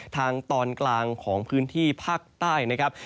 ทางตอนกลางของพื้นที่ภาคใต้นะครับ